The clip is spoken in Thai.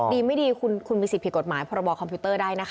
ดีไม่ดีคุณมีสิทธิ์ผิดกฎหมายพรบคอมพิวเตอร์ได้นะคะ